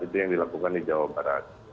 itu yang dilakukan di jawa barat